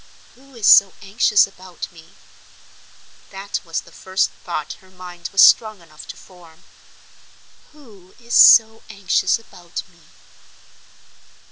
"Who is so anxious about me?" That was the first thought her mind was strong enough to form—"Who is so anxious about me?"